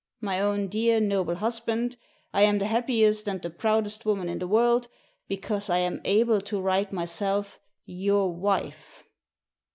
"*My own, dear, noble husband, I am the happiest and the proudest woman in the world, because I am able to write myself « Your Wife.'